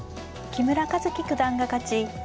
木村一基九段が勝ち